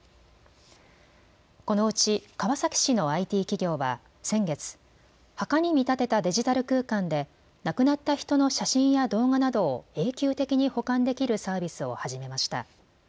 このうち川崎市のＩＴ企業は先月、墓に見立てたデジタル空間で亡くなった人の写真や動画などを永久的に保管できるサービスを始めました。